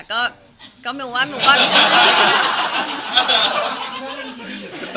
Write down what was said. คือเขาไม่ได้ดูละครเหรอล่ะ